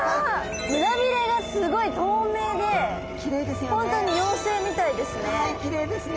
胸鰭がすごい透明で本当にはいきれいですね。